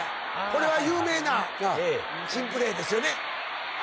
これは有名な珍プレーですよね。